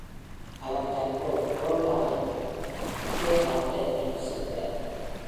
அவர் தற்போது புளோரிடாவின் Boca Raton-ல் வசிக்கிறார்.